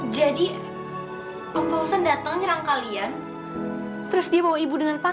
jadi om pausan datang nyerang kalian terus dia bawa ibu dengan paksa